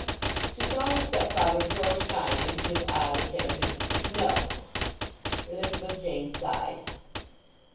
She saw her stepfather throw a shine into his eye which answered "No!" Elizabeth Jane sighed.